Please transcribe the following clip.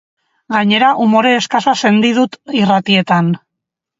Gainera, umore eskasa sendi dut irratietan.